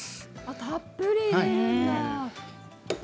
たっぷりだ。